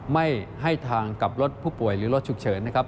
ไม่ให้ทางกับรถผู้ป่วยหรือรถฉุกเฉินนะครับ